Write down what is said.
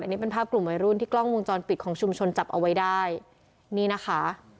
อันนี้เป็นภาพกลุ่มวัยรุ่นที่กล้องวงจรปิดของชุมชนจับเอาไว้ได้นี่นะคะ